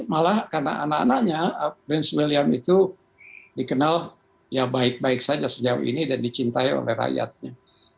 malah karena anak anaknya prince william itu dikenal ya baik baik saja sejauh ini dan dicintai oleh rakyatnya